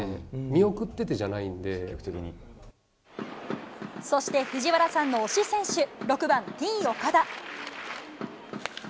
見送っててじゃないのそして藤原さんの推し選手、６番Ｔー岡田。